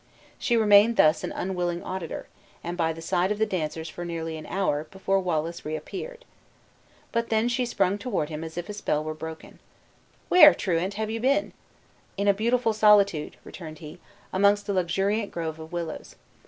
She remained thus an unwilling auditor, and by the side of the dancers for nearly an hour, before Wallace reappeared. But then she sprung toward him as if a spell were broken. "Where, truant, have you been?" "In a beautiful solitude," returned he, "amongst a luxuriant grove of willows."